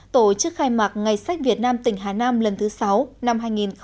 tổ chức khai mạc ngày sách việt nam tỉnh hà nam lần thứ sáu năm hai nghìn một mươi chín